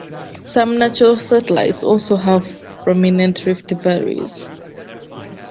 Some natural satellites also have prominent rift valleys.